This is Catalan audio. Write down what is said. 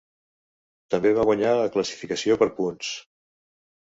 També va guanyar la classificació per punts.